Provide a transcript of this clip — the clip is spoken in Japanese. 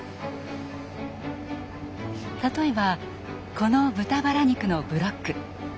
例えばこの豚バラ肉のブロック。